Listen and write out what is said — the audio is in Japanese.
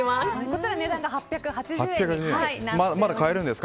こちら、値段が８８０円です。